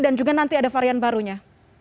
dan juga nanti ada varian barunya